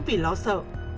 vì lo sợ